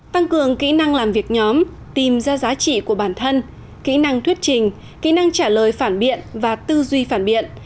tăng cường kỹ năng làm việc nhóm tìm ra giá trị của bản thân kỹ năng thuyết trình kỹ năng trả lời phản biện và tư duy phản biện